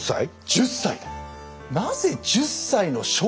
１０歳で。